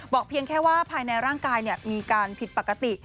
เพียงแค่ว่าภายในร่างกายมีการผิดปกติ